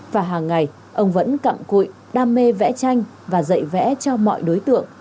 và hàng ngày ông vẫn cặm cụi đam mê vẽ tranh và dạy vẽ cho mọi đối tượng